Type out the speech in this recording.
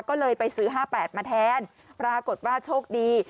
ก็เลยไปซื้อ๕๘มาแทนปรากฏว่าโชคดี